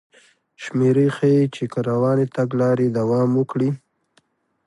شمېرې ښيي چې که روانې تګلارې دوام وکړي